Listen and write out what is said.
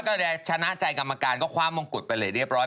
ก็จะชนะใจกรรมการก็คว้ามงกุฎไปเลยเรียบร้อย